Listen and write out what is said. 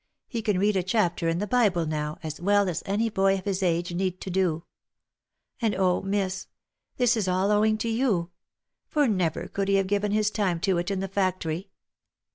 He can read a chapter in the Bible now as well as any boy of his age need to do. And oh ! Miss — This is all owing to you — for never could he have given his time to it in the factory."